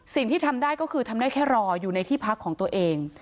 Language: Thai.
สิ่งที่ทำได้ก็คือทำได้แค่รออยู่ในที่พักของตัวเอง